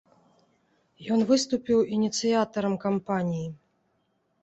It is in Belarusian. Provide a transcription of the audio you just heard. Ён выступіў ініцыятарам кампаніі.